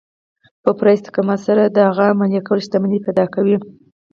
په پوره استقامت سره د هغو عملي کول شتمني پيدا کوي.